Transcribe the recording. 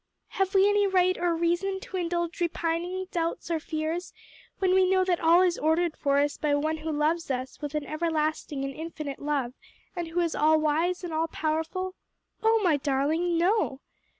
"Have we any right or reason to indulge repining, doubts, or fears, when we know that all is ordered for us by One who loves us with an everlasting and infinite love, and who is all wise and all powerful? O my darling, no!